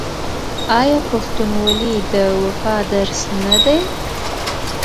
آیا پښتونولي د وفا درس نه دی؟